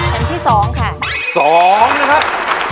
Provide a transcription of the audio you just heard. เพลงที่สองค่ะสองนะครับ